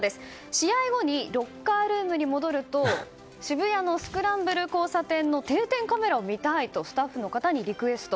試合後にロッカールームに戻ると渋谷のスクランブル交差点の定点カメラを見たいとスタッフの方にリクエスト。